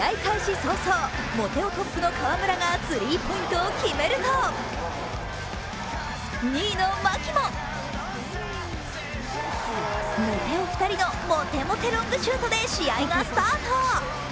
早々、モテ男トップの河村がスリーポイントを決めると、２位の牧も、モテ男２人のモテモテロングシュートで試合がスタート。